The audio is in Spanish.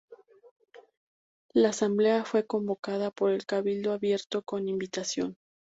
La asamblea fue convocada por el cabildo abierto con invitación.